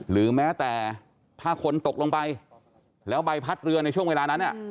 หรือแม้แต่ถ้าคนตกลงไปแล้วใบพัดเรือในช่วงเวลานั้น